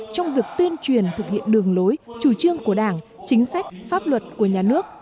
trong việc tuyên truyền thực hiện đường lối chủ trương của đảng chính sách pháp luật của nhà nước